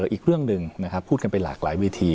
อีกเรื่องหนึ่งนะครับพูดกันไปหลากหลายเวที